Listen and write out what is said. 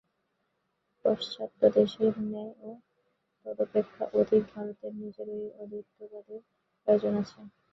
পাশ্চাত্য দেশেরই ন্যায় বা তদপেক্ষা অধিক ভারতের নিজেরও এই অদ্বৈতবাদের প্রয়োজন আছে।